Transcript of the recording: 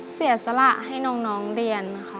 เสียสละให้น้องเรียน